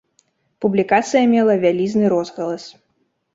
Публікацыя мела вялізны розгалас.